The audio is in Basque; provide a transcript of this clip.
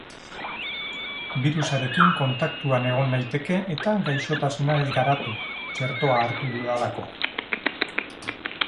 Birusarekin kontaktuan egon naiteke eta gaixotasuna ez garatu, txertoa hartu dudalako.